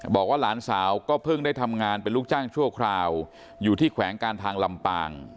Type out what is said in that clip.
บอกว่าหลานสาวก็เพิ่งได้ทำงานเป็นลูกจ้างชั่วคราวอยู่ที่แขวงการทางลำปาง